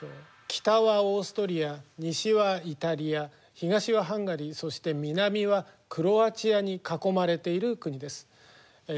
北はオーストリア西はイタリア東はハンガリーそして南はクロアチアに囲まれている国です。